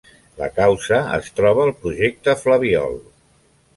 La causa es troba al Projecte Flabiol.